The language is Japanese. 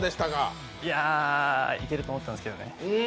いけると思ったんですけどね。